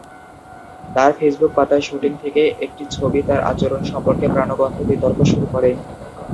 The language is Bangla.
তার ফেসবুক পাতায় শুটিং থেকে একটি ছবি তার আচরণ সম্পর্কে প্রাণবন্ত বিতর্ক শুরু করে।